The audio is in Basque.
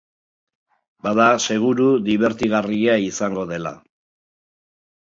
Bada, seguru dibertigarria izango dela.